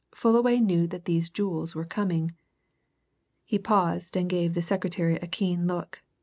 Fullaway knew that these jewels were coming " He paused and gave the secretary a keen look.